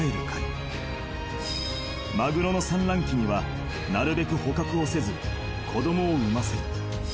［マグロの産卵期にはなるべく捕獲をせず子供を産ませる］